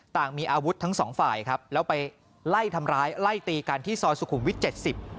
ต่างมีอาวุธทั้งสองฝ่ายครับแล้วไปไล่ทำร้ายไล่ตีกันที่ซอยสุขุมวิทยเจ็ดสิบ